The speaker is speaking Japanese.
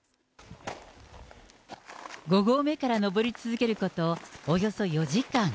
５合目から登り続けることおよそ４時間。